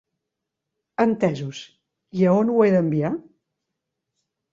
Entesos, i a on ho he d'enviar?